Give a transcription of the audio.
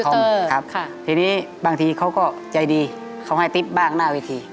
ครับค่ะทีนี้บางทีเขาก็ใจดีเขาให้ติ๊บบ้างหน้าเวที